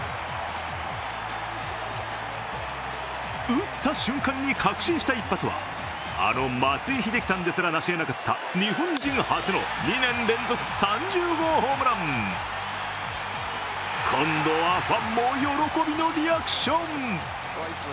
打った瞬間に確信した一発はあの松井秀喜さんですら成しえなかった日本人初の２年連続３０号ホームラン今度はファンも喜びのリアクション。